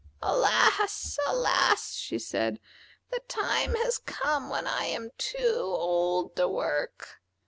"Alas! alas!" she said, "the time has come when I am too old to work.